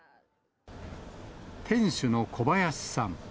店主の小林さん。